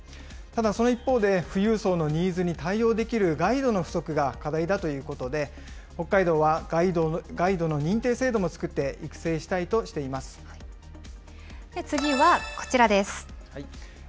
ただその一方で、富裕層のニーズに対応できるガイドの不足が課題だということで、北海道はガイドの認定制度も作って、次はこちらです。